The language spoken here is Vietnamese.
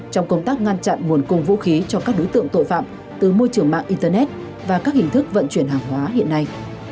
trong công tác ngăn chặn nguồn cung vũ khí cho các đối tượng tội phạm từ môi trường mạng internet và các hình thức vận chuyển hàng hóa hiện nay